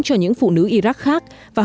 cho những phụ nữ iraq khác